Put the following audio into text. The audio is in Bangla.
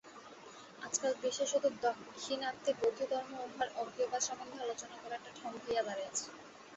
আজকাল বিশেষত দাক্ষিণাত্যে বৌদ্ধধর্ম ও উহার অজ্ঞেয়বাদ সম্বন্ধে আলোচনা করা একটা ঢঙ হইয়া দাঁড়াইয়াছে।